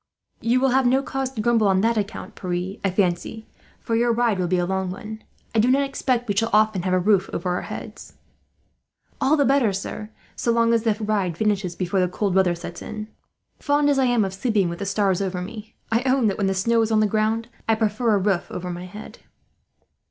"You will have no cause to grumble on that account, Pierre, I fancy, for your ride will be a long one. I do not expect we shall often have a roof over our heads." "All the better, sir, so long as the ride finishes before the cold weather sets in. Fond as I am of sleeping with the stars over me; I own that, when the snow is on the ground, I prefer a roof over my head."